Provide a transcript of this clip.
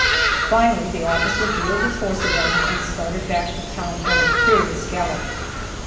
Finally the officer wheeled his horse around and started back to town at a furious gallop.